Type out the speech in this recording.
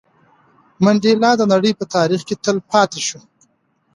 منډېلا د نړۍ په تاریخ کې تل پاتې شو.